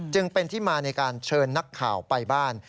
จึงเป็นที่มาในการเชิญนักข่าวไปบ้าน